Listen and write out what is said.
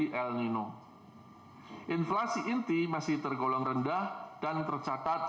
penurunan harga bahan bakar rumah tangga penurunan tarif listrik serta penurunan tarif anggutan udara